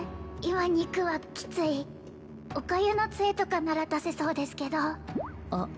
今肉はきついおかゆの杖とかなら出せそうですけどあっ